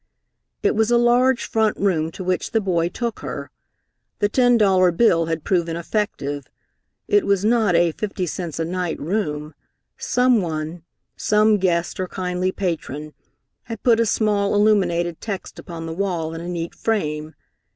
It was a large front room to which the boy took her. The ten dollar bill had proven effective. It was not a "fifty cents a night" room. Some one some guest or kindly patron had put a small illuminated text upon the wall in a neat frame.